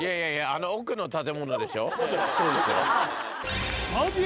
そうですよ。